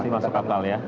masuk kapital ya